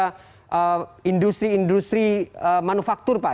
kemudian tata ruang dan juga industri industri manufaktur pak